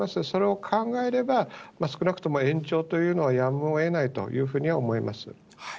それを考えれば、少なくとも延長というのはやむをえないというふうには思います。